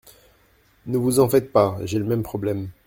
Ne vous en faites pas. J’ai le même problème.